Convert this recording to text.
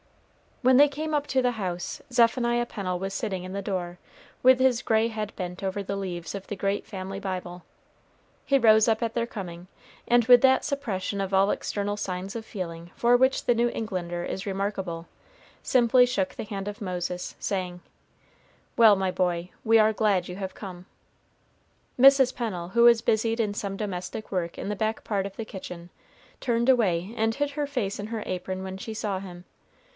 When they came up to the house, Zephaniah Pennel was sitting in the door, with his gray head bent over the leaves of the great family Bible. He rose up at their coming, and with that suppression of all external signs of feeling for which the New Englander is remarkable, simply shook the hand of Moses, saying, "Well, my boy, we are glad you have come." Mrs. Pennel, who was busied in some domestic work in the back part of the kitchen, turned away and hid her face in her apron when she saw him.